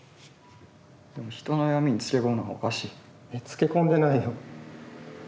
でも人の弱みにつけこむのはおかしい。いやつけこんでないよ。